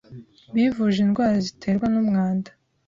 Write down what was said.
bivuje indwara ziterwa n’umwanda